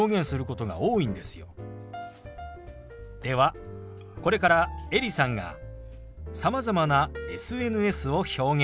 ではこれからエリさんがさまざまなＳＮＳを表現します。